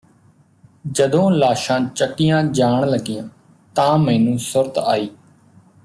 ਜਦੋਂ ਲਾਸ਼ਾਂ ਚੱਕੀਆਂ ਜਾਣ ਲੱਗੀਆਂ ਤਾਂ ਮੈਨੂੰ ਸੁਰਤ ਆਈ